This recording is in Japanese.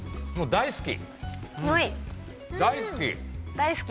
大好き！